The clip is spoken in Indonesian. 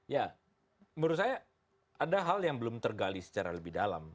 ya menurut saya ada hal yang belum tergali secara lebih dalam